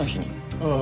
ああ。